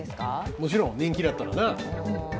もちろん、人気だったら。